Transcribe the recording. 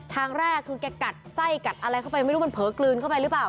ทางแรกคือแกกัดไส้กัดอะไรเข้าไปไม่รู้มันเผลอกลืนเข้าไปหรือเปล่า